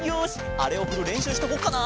あれをふるれんしゅうしとこっかな。